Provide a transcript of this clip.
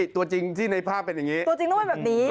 ตัวจริงที่ในภาพเป็นอย่างนี้